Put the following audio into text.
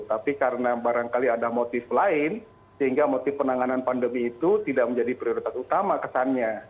tapi karena barangkali ada motif lain sehingga motif penanganan pandemi itu tidak menjadi prioritas utama kesannya